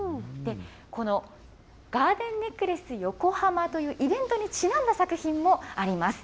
このガーデンネックレス横浜というイベントにちなんだ作品もあります。